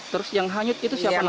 terus yang hanyut itu siapa nama